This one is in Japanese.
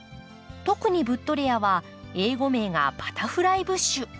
特にブッドレアは英語名がバタフライブッシュ。